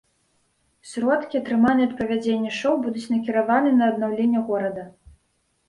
Сродкі, атрыманыя ад правядзення шоў, будуць накіраваны на аднаўленне горада.